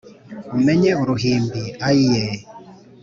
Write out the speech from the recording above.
Umenye uruhimbi ayiyeee